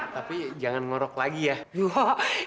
tapi jangan ngorok lagi ya